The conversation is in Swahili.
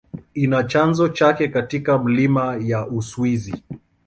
Ina chanzo chake katika milima ya Uswisi.